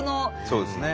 そうですね。